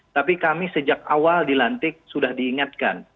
tapi kami sejak awal dilantik sudah diingatkan